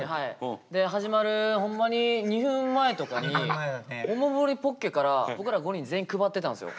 始まるホンマに２分前とかにおもむろにポッケから僕ら５人に全員配ってたんですよ。